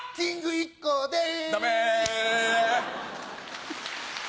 ＩＫＫＯです。